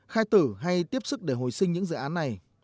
khai tử hay tiếp sức để hồi sinh những dự án này